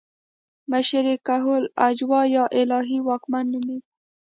مشر یې کهول اجاو یا الهي واکمن نومېده